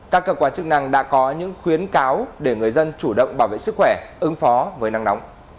các cơ quan chức năng đã có những khuyến cáo để người dân chủ động bảo vệ sức khỏe ứng phó với nắng nóng